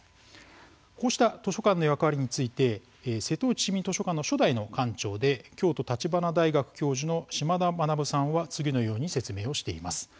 こうした図書館の役割について瀬戸内市民図書館の初代館長で京都橘大学教授の嶋田学さんは次のように説明しています。